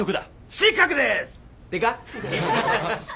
「失格でーす！」ってか？